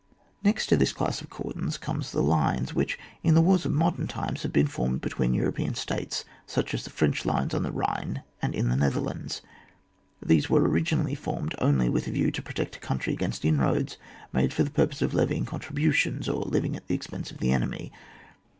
Next to this class of cordons come the lines, which, in the wars of modern times have been formed between Euro pean States, such as the French lines on the Ehino and in the Netherlands. Those were originally formed only with a view to protect a country against inroads made for the purpose of levying contributions or living at the expense of the enemy.